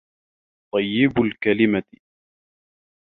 طَيِّبَ الْكَلِمَةِ